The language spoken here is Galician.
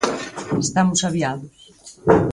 Estamos aviados